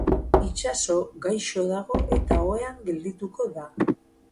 Itsaso gaixo dago eta ohean geldituko da.